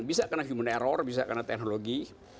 bisa karena human error bisa karena teknologi